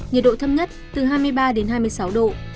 nhiệt độ thấp nhất từ hai mươi ba đến hai mươi sáu độ